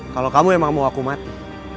kalau kamu emang mau aku mati